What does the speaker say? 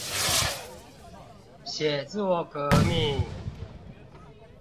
寫作革命